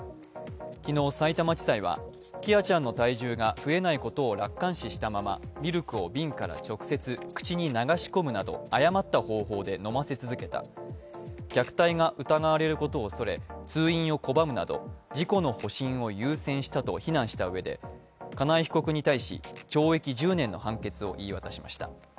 昨日、さいたま地裁は喜空ちゃんの体重が増えないことを楽観視したまま、ミルクを瓶から直接口に流し込むなど誤った方法で飲ませ続けた、虐待が疑われることを恐れ通院を拒むなど自己の保身を優先したと避難したうえで金井被告に対し、懲役１０年の判決を言い渡しました。